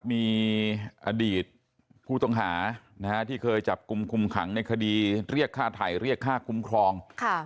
มีอดีตผู้ต้องหาที่เคยจับกลุ่มคุมขังในคดีเรียกค่าไถ่เรียกค่าคุ้มครอง